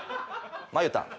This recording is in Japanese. まゆたん。